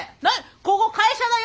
ここ会社だよ。